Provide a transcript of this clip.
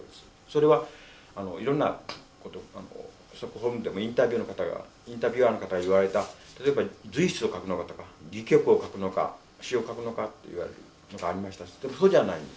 それはいろんなことストックホルムでもインタビュアーの方が言われた例えば随筆を書くのかとか戯曲を書くのか詩を書くのかと言われるのがありましたしでもそうじゃないんです。